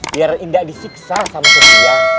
biar tidak disiksa sama temen dia